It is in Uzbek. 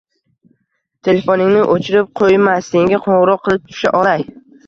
Telefoningni o‘chirib qo‘yma, senga qo‘ngg‘iroq qilib tusha olay.